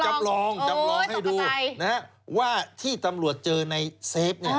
จำลองให้ดูว่าที่ตำรวจเจอในเซฟ